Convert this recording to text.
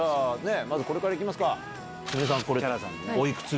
まずこれから行きますか。